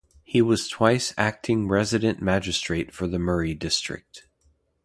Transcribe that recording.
He was twice acting resident magistrate for the Murray district.